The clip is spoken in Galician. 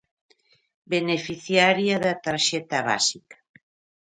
Beneficiaria da tarxeta básica.